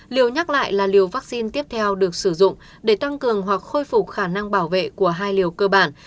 liều nhắc lại là liều vaccine tiếp theo được sử dụng để tăng cường hoặc khôi phục khả năng bảo vệ của hai liều cơ bản